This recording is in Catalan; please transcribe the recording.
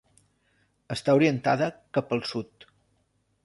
Està orientada cap al sud.